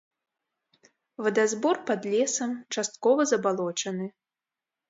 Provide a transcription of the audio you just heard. Вадазбор пад лесам, часткова забалочаны.